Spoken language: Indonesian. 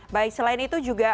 baik selain itu juga